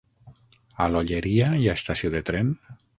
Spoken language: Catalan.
A l'Olleria hi ha estació de tren?